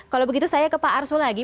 kalau begitu saya ke pak arsul lagi